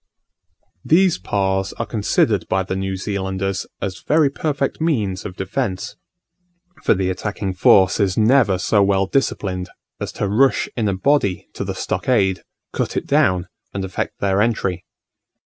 These Pas are considered by the New Zealanders as very perfect means of defence: for the attacking force is never so well disciplined as to rush in a body to the stockade, cut it down, and effect their entry.